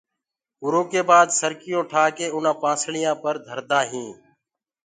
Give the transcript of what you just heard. اُرو ڪي بآد سرڪيون ٺآ ڪي اُنآ پآسݪيآ پر دهردآ هينٚ۔